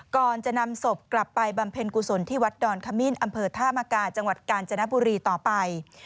ก่อนจะนำศพกลับไปบำเพ็ญกุศลที่วัดดอนขมิ้นอำเภอท่ามกาจังหวัดกาญจนบุรีต่อไป